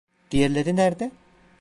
Diğerleri nerede?